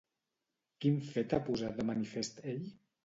Quin fet ha posat de manifest ell?